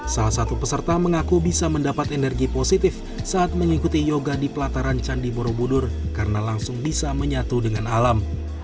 salah satu peserta mengaku bisa mendapat energi positif saat mengikuti yoga di pelataran candi borobudur karena langsung bisa menyatu dengan alam